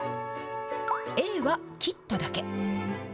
Ａは切っただけ。